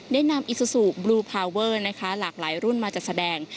ได้นำอิซูซูบลูพาวเวอร์นะคะหลากหลายรุ่นมาจัดแสดง